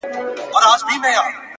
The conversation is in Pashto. د حقیقت لاره تل روښانه وي.!